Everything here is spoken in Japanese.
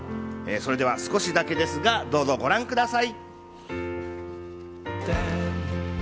それでは少しだけですがご覧ください。